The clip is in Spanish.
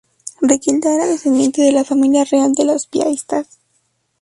Riquilda era descendiente de la familia real de los Piastas.